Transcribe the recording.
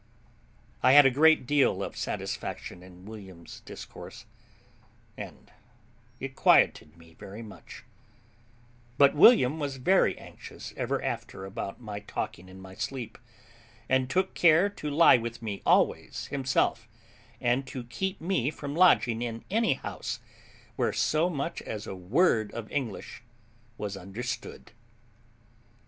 I had a great deal of satisfaction in William's discourse, and it quieted me very much; but William was very anxious ever after about my talking in my sleep, and took care to lie with me always himself, and to keep me from lodging in any house where so much as a word of English was understood.